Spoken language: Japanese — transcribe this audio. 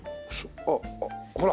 あっほら！